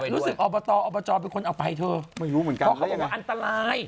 รู้สึกอบตอบตเป็นคนเอาไปเถอะเขาบอกว่าอันตราย